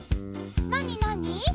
なになに？